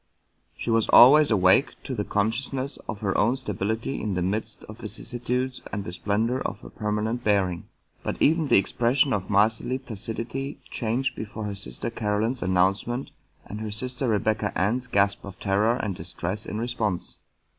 She was always awake to the con sciousness of her own stability in the midst of vicissitudes and the splendor of her permanent bearing. But even her expression of masterly placidity changed be fore her sister Caroline's announcement and her sister Re becca Ann's gasp of terror and distress in response.